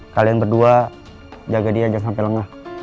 kalian berdua jaga dia jangan sampai lengah